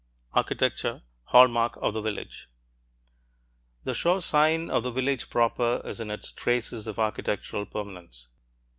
ARCHITECTURE: HALL MARK OF THE VILLAGE The sure sign of the village proper is in its traces of architectural permanence.